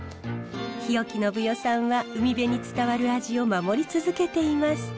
日置信代さんは海辺に伝わる味を守り続けています。